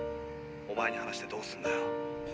おまえに話してどうすんだよ。